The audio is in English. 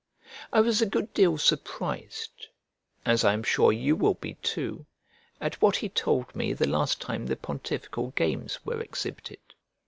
I was a good deal surprised, as I am sure you will be too, at what he told me the last time the Pontifical games were exhibited.